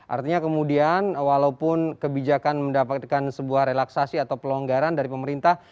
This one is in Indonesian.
artinya kemudian walaupun kebijakan mendapatkan sebuah relaksasi atau pelonggaran dari pemerintah